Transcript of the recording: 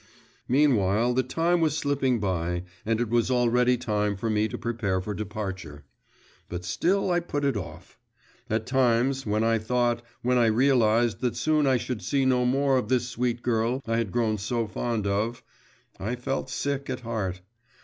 Meanwhile the time was slipping by, and it was already time for me to prepare for departure. But still I put it off. At times, when I thought, when I realised that soon I should see no more of this sweet girl I had grown so fond of, I felt sick at heart.